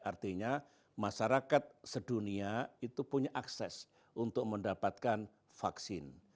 artinya masyarakat sedunia itu punya akses untuk mendapatkan vaksin